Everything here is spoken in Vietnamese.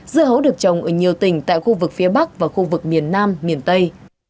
dưa hấu được trồng ở nhiều tỉnh tại khu vực phía bắc và khu vực miền nam miền tây